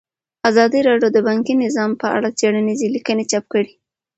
ازادي راډیو د بانکي نظام په اړه څېړنیزې لیکنې چاپ کړي.